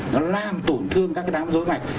nó làm tổn thương các cái đám dối mạch